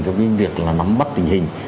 cho cái việc là nắm bắt tình hình